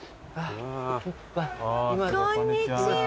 こんにちは。